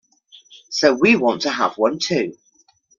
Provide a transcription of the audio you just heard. So we want to have one, too.